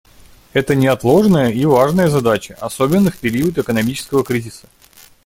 Это неотложная и важная задача, особенно в период экономического кризиса.